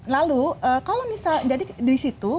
lalu kalau misalnya jadi di situ